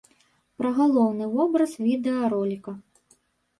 Пра галоўны вобраз відэароліка.